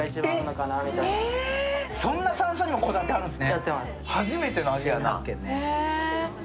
そんな山椒にもこだわってはるんですね！